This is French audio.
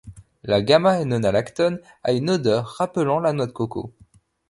La γ-nonalactone a une odeur rappelant la noix de coco.